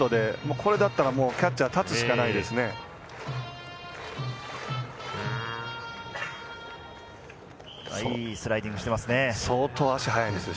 これだったらキャッチャー立つしかないですね。